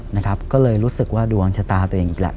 นะครับก็เลยรู้สึกว่าดวงชะตาตัวเองอีกแหละ